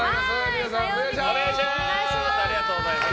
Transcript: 皆さん、お願いします。